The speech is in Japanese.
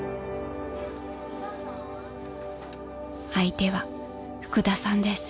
［相手は福田さんです］